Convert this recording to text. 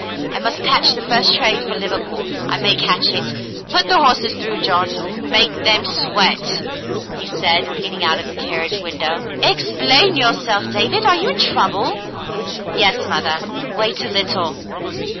I must catch the first train for Liverpool — I may catch it. Put the horses through, John. Make them sweat,'* he said, lean ing out of the carriage window. *' Explain yourself, David. Are you in trouble .f*" *'Yes, mother. Wait a little."